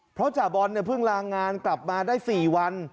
เพราะจ่าบอลเนี่ยเพิ่งลางานกลับมาได้๔วัน